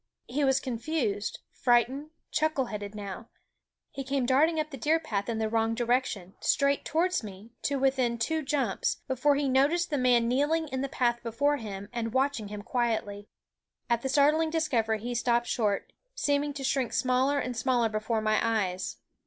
He was confused, fright ened, chuckle headed now; he came darting up the deer path in the wrong direction, straight towards me, to within two jumps, before he noticed the man kneeling in the path before him and watching him quietly. THE WOODS At the startling discovery he stopped short, seeming to shrink smaller and smaller before my eyes.